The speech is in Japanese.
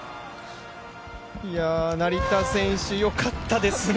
成田選手よかったですね。